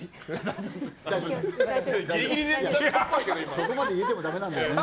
そこまで言えてもだめなんだよね。